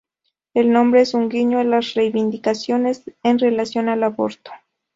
El nombre es un guiño a las reivindicaciones en relación al aborto.